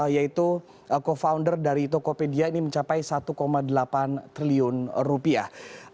yaitu co founder dari tokopedia ini mencapai satu delapan triliun rupiah